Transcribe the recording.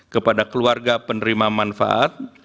kepada keluarga penerima manfaat